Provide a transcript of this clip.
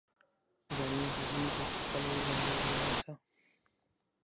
ويالې بهېږي، چي كله ئې له مېوې نه څه